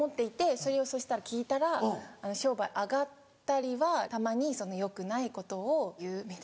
それをそしたら聞いたら「商売上がったり」はたまによくないことを言うみたいな。